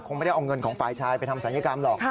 ไม่ได้เอาเงินของฝ่ายชายไปทำศัลยกรรมหรอก